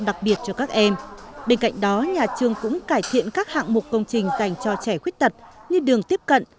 đồng thời nhà trường cũng cải thiện các hạng mục công trình dành cho trẻ khuyết tật như đường tiếp cận